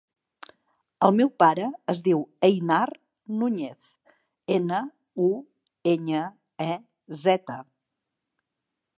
El meu pare es diu Einar Nuñez: ena, u, enya, e, zeta.